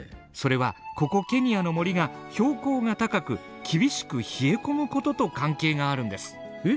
それはここケニアの森が標高が高く厳しく冷え込むことと関係があるんです。